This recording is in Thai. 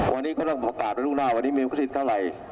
วันนี้ก็ต้องประกาศด้วยลุกหน้าวันนี้โมกฤทธิ์เท่าไร